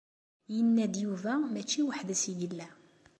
Inna-d Yuba mačči weḥd-s i yella.